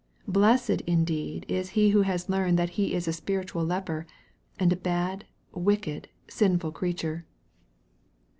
Blessed indeed is he who has learned that he is a spiritual leper, and a bad, wicked, sinful creature